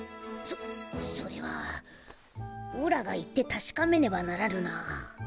そそれはオラが行って確かめねばならぬなぁ。